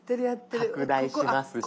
拡大しますし。